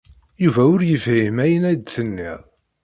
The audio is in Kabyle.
Yuba ur yefhim ayen ay d-tenniḍ.